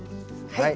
はい。